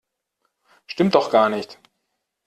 Stimmt doch gar nicht!